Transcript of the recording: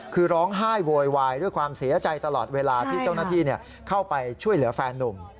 คือร้องไห้โวยวายด้วยความเสียใจตลอดเวลาที่เจ้าหน้าที่เข้าไปช่วยเหลือแฟนนุ่ม